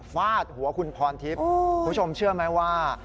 ฟาดหัวคุณพรทิพย์คุณผู้ชมเชื่อไหมว่า